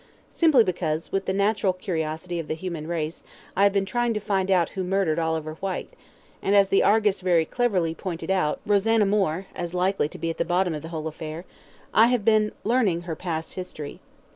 simply because, with the natural curiosity of the human race, I have been trying to find out who murdered Oliver Whyte, and as the ARGUS very cleverly pointed out Rosanna Moore as likely to be at the bottom of the whole affair, I have been learning her past history.